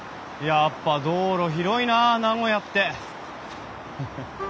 やっぱ道路広いなあ名古屋って。